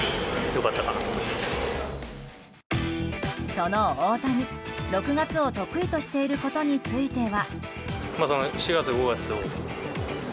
その大谷、６月を得意としていることについては。